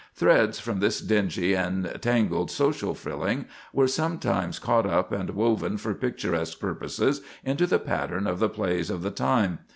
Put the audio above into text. Threads from this dingy and tangled social frilling were sometimes caught up and woven for picturesque purposes into the pattern of the plays of the time.